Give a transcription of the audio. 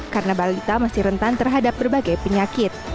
karena balita masih rentan terhadap berbagai penyakit